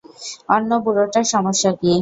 অন্য বুড়োটার সমস্যা কী?